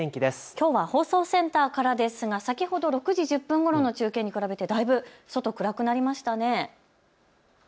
きょうは放送センターからですが先ほど６時１０分ころの中継に比べてだいぶ外暗くなりましたね。